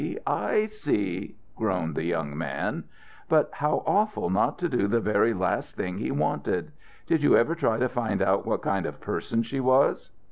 I see!" groaned the young man. "But how awful not to do the very last thing he wanted! Did you ever try to find out what kind of a person she was?"